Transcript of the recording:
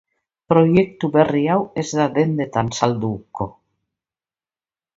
Proiektu berri hau ez da dendetan salduko.